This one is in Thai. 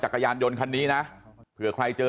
จักรยานยนต์คันนี้นะเผื่อใครเจอ